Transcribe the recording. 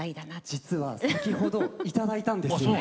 実は先ほど頂いたんです。